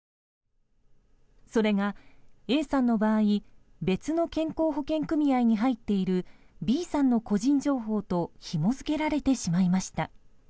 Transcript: それがＡさんの場合別の健康保険組合に入っているＢさんの個人情報とひもづけられてしまいました。